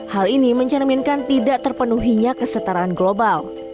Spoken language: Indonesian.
hal ini mencerminkan tidak terpenuhinya kesetaraan global